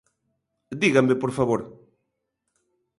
Dígame, por favor.